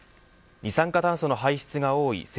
二酸化炭素の排出が多い